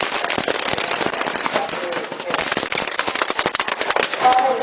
อย่าขยายอยู่ข้างหลังด้านหลังด้วยนะครับ